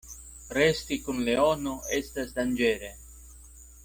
Resti kun leono estas danĝere.